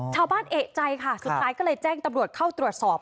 ชาวบ้านเอกใจค่ะสุดท้ายก็เลยแจ้งตำรวจเข้าตรวจสอบ